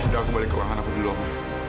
sudah aku balik ke ruangan aku dulu oma